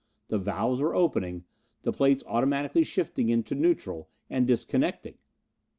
The valves were opening; the plates automatically shifting into neutral, and disconnecting!